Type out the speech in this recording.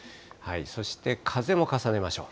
そして風も重ねましょう。